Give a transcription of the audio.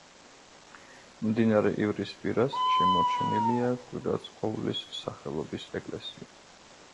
მდინარე ივრის პირას შემორჩენილია კვირაცხოვლის სახელობის ეკლესია.